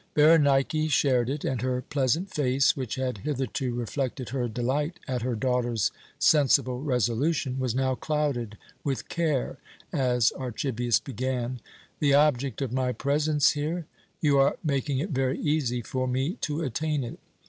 Berenike shared it, and her pleasant face, which had hitherto reflected her delight at her daughter's sensible resolution, was now clouded with care as Archibius began: "The object of my presence here? You are making it very easy for me to attain it.